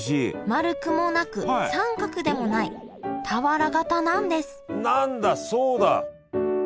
丸くもなく三角でもない俵型なんです何だそうだ。